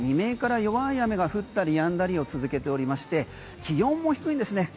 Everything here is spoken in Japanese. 未明から弱い雨が降ったり止んだりを続けておりまして気温も低いんですね。